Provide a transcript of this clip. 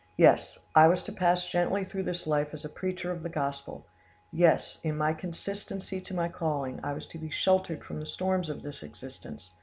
"Yes, I was to pass gently through this life as a preacher of the gospel; yes, in my constancy to my calling I was to be sheltered from the storms of this existence.